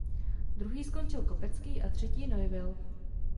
Druhý skončil Kopecký a třetí Neuville.